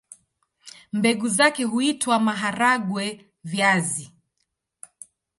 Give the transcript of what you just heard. Mbegu zake huitwa maharagwe-viazi.